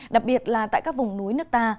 đặc biệt là tại các vùng núi nước ta